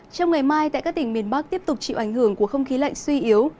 trong ngày mai tại các tỉnh miền bắc tiếp tục chịu ảnh hưởng của không khí lạnh suy yếu